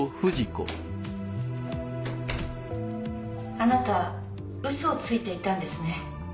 あなたウソをついていたんですね。